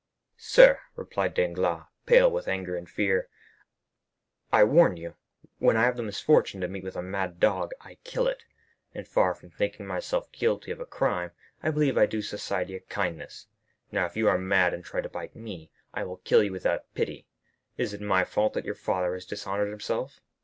40212m "Sir," replied Danglars, pale with anger and fear, "I warn you, when I have the misfortune to meet with a mad dog, I kill it; and far from thinking myself guilty of a crime, I believe I do society a kindness. Now, if you are mad and try to bite me, I will kill you without pity. Is it my fault that your father has dishonored himself?"